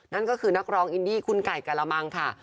นั่นก็คือนักร้องอินดี้คุณไก่กะละมังค่ะ